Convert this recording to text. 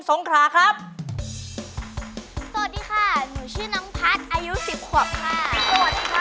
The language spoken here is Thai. สวัสดีคะหนูน้องอาโนอายุสี่กว่าค่ะ